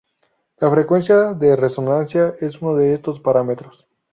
La frecuencia de resonancia es uno de estos parámetros.